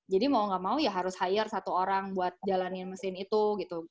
jadi mau gak mau ya harus hire satu orang buat jalanin mesin itu gitu